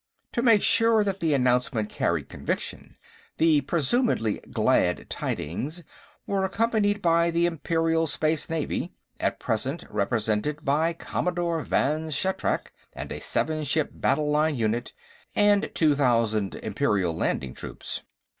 To make sure that the announcement carried conviction, the presumedly glad tidings were accompanied by the Imperial Space Navy, at present represented by Commodore Vann Shatrak and a seven ship battle line unit, and two thousand Imperial Landing Troops.